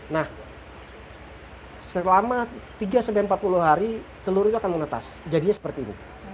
nah selama tiga sampai empat puluh hari telur itu akan menetas jadinya seperti ini